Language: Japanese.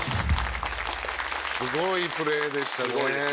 すごいプレーでしたね。